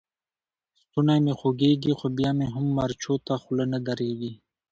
ستونی مې خوږېږي؛ خو بيا مې هم مرچو ته خوله نه درېږي.